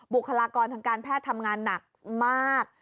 บุคลากรทางการแพทย์ทำงานหนักมาก